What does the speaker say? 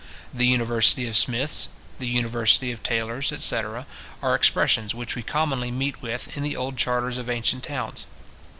The university of smiths, the university of tailors, etc. are expressions which we commonly meet with in the old charters of ancient towns.